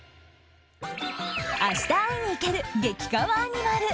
明日会いに行ける激かわアニマル